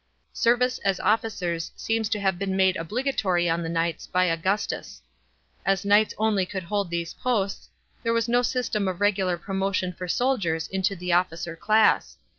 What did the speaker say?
Service as officers seems to have been made obligatory on the knights by Augustus. As knights only could hold these posts, there was no system of regular promotion for soldiers into the officer class.